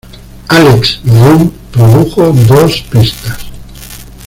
Alex Leon produjo dos pistas.